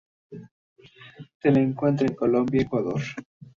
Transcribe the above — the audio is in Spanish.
Se la encuentra en Colombia, Ecuador.